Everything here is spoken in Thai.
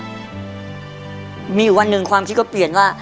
มีอยู่วันหนึ่งความคิดก็เปลี่ยนว่า